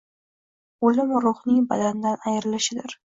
O’lim ruhning badandan ayrilishidir.